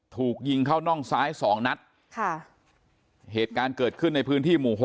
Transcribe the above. ถูกยิงเข้าน่องซ้ายสองนัดค่ะเหตุการณ์เกิดขึ้นในพื้นที่หมู่หก